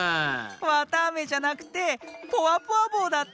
わたあめじゃなくて「ポワポワぼう」だって！